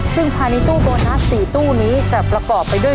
ซึ่งภายในตู้โบนัส๔ตู้นี้จะประกอบไปด้วย